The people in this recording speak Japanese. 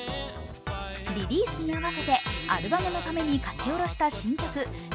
リリースに合わせてアルバムのために書き下ろした新曲「ＬＯＶＥ